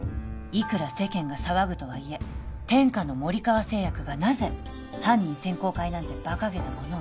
いくら世間が騒ぐとはいえ天下の森川製薬がなぜ犯人選考会なんてバカげたものを開くのか